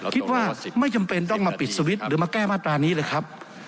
คิดว่าไม่จำเป็นต้องมาปิดสวิตช์หรือมาแก้มาตรานี้เลยครับ